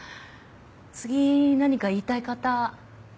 次何か言いたい方。